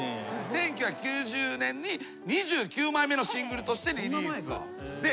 １９９０年に２９枚目のシングルとしてリリース。